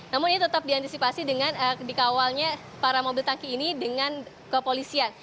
namun ini tetap diantisipasi dengan dikawalnya para mobil tangki ini dengan kepolisian